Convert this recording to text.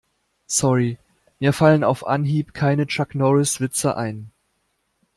Sorry, mir fallen auf Anhieb keine Chuck-Norris-Witze ein.